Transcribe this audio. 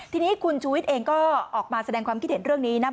ทีนี้คุณชูวิทย์เองก็ออกมาแสดงความคิดเห็นเรื่องนี้นะ